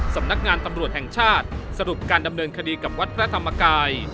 สำนักงานตำรวจแห่งชาติสรุปการดำเนินคดีกับวัดพระธรรมกาย